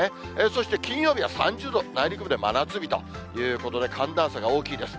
そして金曜日は３０度、内陸部で真夏日ということで、寒暖差が大きいです。